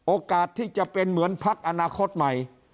โอกาสที่จะเป็นเหมือนพักอนาคตใหม่